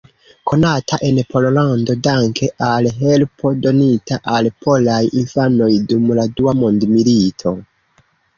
Konata en Pollando danke al helpo donita al polaj infanoj dum la dua mondmilito.